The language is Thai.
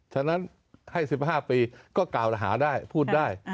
ฉะนั้นให้๑๕ปีก็กล่าวหาได้พูดได้